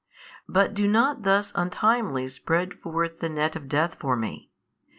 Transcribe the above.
But do not thus untimely spread forth the net of death for Me.